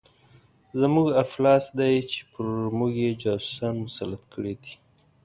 زموږ افلاس دی چې پر موږ یې جاسوسان مسلط کړي دي.